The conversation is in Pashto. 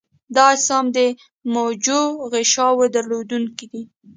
دا اجسام د معوجو غشاوو درلودونکي دي.